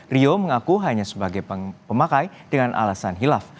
rio mengaku hanya sebagai pemakai dengan alasan hilaf